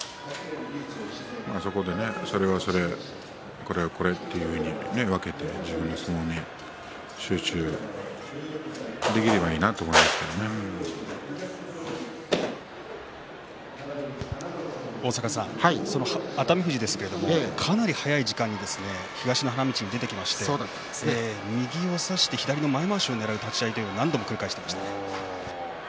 そこでねそれはそれ、これはこれと分けて自分の相撲に集中できれば熱海富士ですけれどもかなり早い時間に東の花道に出てきまして右を差して左の前まわしをねらう立ち合いというのを何度も繰り返していました。